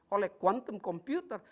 oleh quantum computer